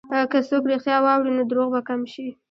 که څوک رښتیا واوري، نو دروغ به کم شي.